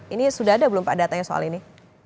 ini sudah ada belum pak datanya soal ini